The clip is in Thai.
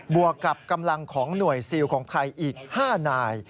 วกกับกำลังของหน่วยซิลของไทยอีก๕นาย